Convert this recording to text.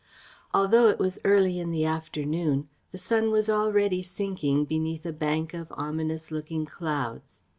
Although it was early in the afternoon the sun was already sinking beneath a bank of ominous looking clouds.